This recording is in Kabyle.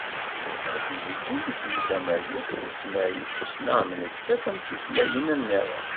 Ad d-ibeggen belli tamaziɣt tezmer i tussna am nettat am tutlayin-nniḍen.